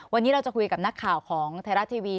วันนี้เราจะคุยกับนักข่าวของไทยรัฐทีวี